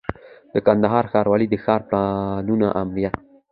د کندهار ښاروالۍ د ښاري پلانونو آمریت